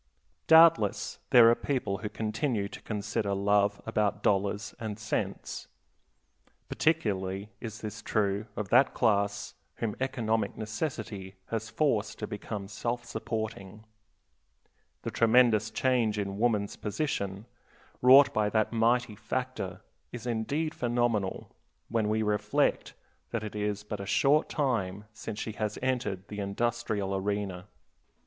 Doubtless there are people who continue to consider love above dollars and cents. Particularly is this true of that class whom economic necessity has forced to become self supporting. The tremendous change in woman's position, wrought by that mighty factor, is indeed phenomenal when we reflect that it is but a short time since she has entered the industrial arena.